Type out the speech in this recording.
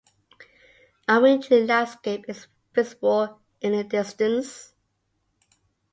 A wintry landscape is visible in the distance.